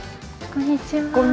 こんにちは。